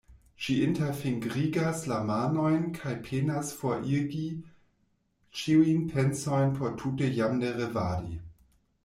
Ŝi interfingrigas la manojn kaj penas forigi ĉiujn pensojn por tute jam ne revadi.